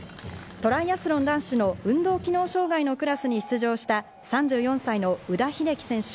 トライアスロン男子の運動機能障害のクラスに出場した３４歳の宇田秀生選手。